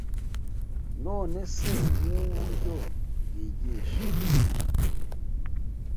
None se nk’uburyo bwigisha